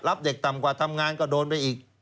เด็กต่ำกว่าทำงานก็โดนไปอีก